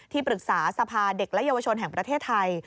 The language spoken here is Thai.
ปรึกษาสภาเด็กและเยาวชนแห่งประเทศไทย